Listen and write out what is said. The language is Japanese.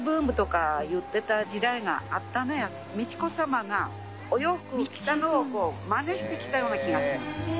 美智子さまがお洋服着たのをマネして着たような気がします。